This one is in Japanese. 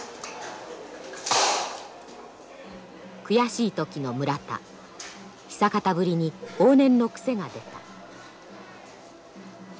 悔しい時の村田久方ぶりに往年の癖が出た。